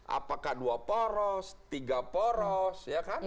apakah dua poros tiga poros ya kan